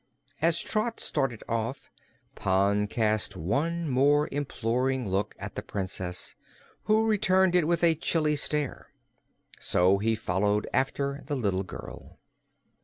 As Trot started off, Pon cast one more imploring look at the Princess, who returned it with a chilly stare. So he followed after the little girl.